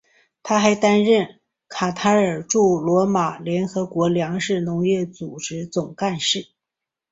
他还担任卡塔尔驻罗马联合国粮食农业组织总干事。